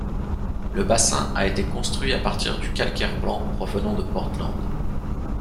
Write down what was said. Le bassin a été construit à partir du calcaire blanc provenant de Portland.